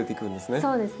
そうですね。